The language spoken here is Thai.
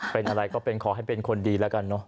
เป็นอะไรก็เป็นขอให้เป็นคนดีแล้วกันเนอะ